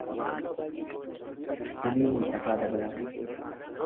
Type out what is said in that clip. Kumii Mul’ataa Dabalaa